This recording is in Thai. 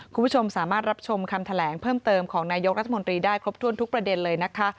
คุณผู้ชมสามารถรับชมคำแถลงเพิ่มเติมของนายกรัฐมนตรีได้ครบถ้วนทุกประเด็นเลยนะคะ